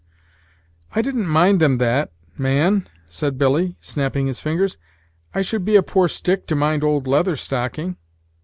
"I didn't mind them that, man," said Billy, snapping his fingers; "I should be a poor stick to mind old Leather Stocking."